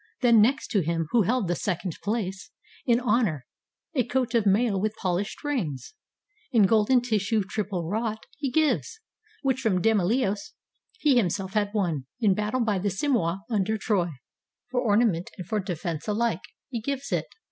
Then next, to him who held the second place In honor, a coat of mail with pohshed rings In golden tissue triple wrought, he gives, — Which from Demoleos he himself had won In battle by the Simois, under Troy. For ornament and for defence alike He gives it.